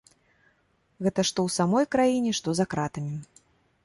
Гэта што ў самой краіне, што за кратамі.